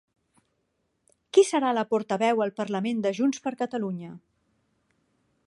Qui serà la portaveu al parlament de Junts per Catalunya?